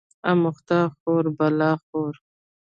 اموخته خور بلا خور